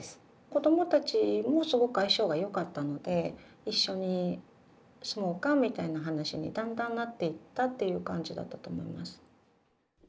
子供たちもすごく相性がよかったので一緒に住もうかみたいな話にだんだんなっていったっていう感じだったと思います。